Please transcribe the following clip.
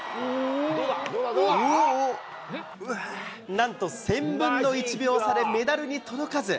なんと１０００分の１秒差でメダルに届かず。